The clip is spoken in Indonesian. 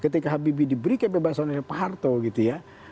ketika habib diberikan perbacanya pak harto gitu ya